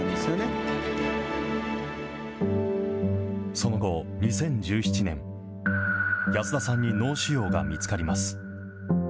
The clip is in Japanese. その後、２０１７年、安田さんに脳腫瘍が見つかります。